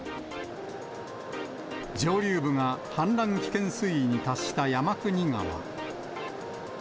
上流部が氾濫危険水位に達した山国川。